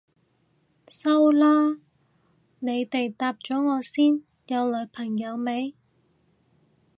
收啦，你哋答咗我先，有女朋友未？